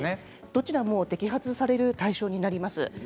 どちらも摘発される対象になります。